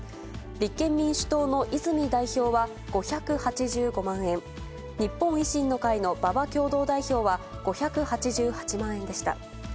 立憲民主党の泉代表は５８５万円、日本維新の会の馬場共同代表は５８８万円でした。